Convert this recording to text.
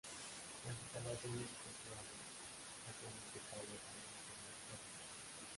Las instalaciones portuarias propiamente tales aún no se han excavado.